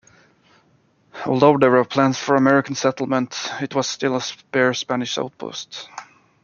Although there were plans for American settlement, it was still a spare Spanish outpost.